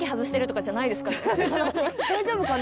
大丈夫かな？